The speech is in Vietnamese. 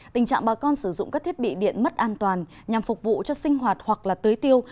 tình trạng bà con sử dụng các thiết bị điện mất an toàn nhằm phục vụ cho sinh hoạt hoặc là tưới tiêu